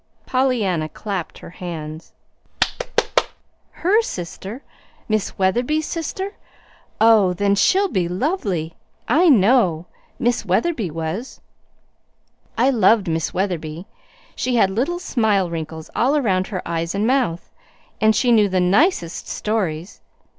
Pollyanna clapped her hands. "HER sister? Miss Wetherby's sister? Oh, then she'll be lovely, I know. Miss Wetherby was. I loved Miss Wetherby. She had little smile wrinkles all around her eyes and mouth, and she knew the NICEST stories.